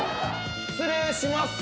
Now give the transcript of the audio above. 失礼します。